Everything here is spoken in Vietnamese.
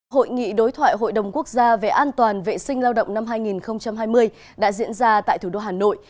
hội nghị đối thoại hội đồng quốc gia về an toàn vệ sinh lao động năm hai nghìn hai mươi đã diễn ra tại thủ đô hà nội